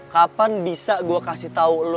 kapan bisa gue kasih tau lo